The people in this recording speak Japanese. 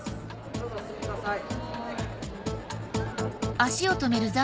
どうぞお進みください。